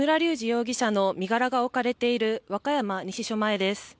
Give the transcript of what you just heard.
容疑者の身柄が置かれている和歌山西署前です。